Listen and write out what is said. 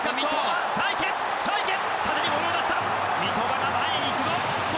三笘が前に行くぞ！